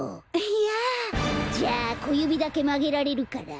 いやあ。じゃあこゆびだけまげられるから？